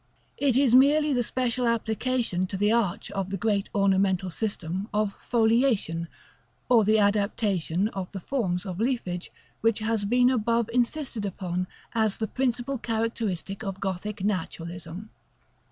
It is merely the special application to the arch of the great ornamental system of FOLIATION; or the adaptation of the forms of leafage which has been above insisted upon as the principal characteristic of Gothic Naturalism.